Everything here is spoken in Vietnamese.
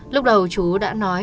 lúc đầu chú đã nói